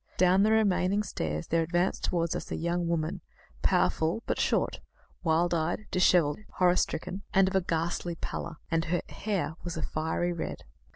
Down the remaining stairs there advanced towards us a young woman, powerful though short, wild eyed, dishevelled, horror stricken, and of a ghastly pallor: and her hair was a fiery red.